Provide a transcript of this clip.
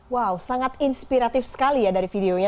wow sangat inspiratif sekali ya dari videonya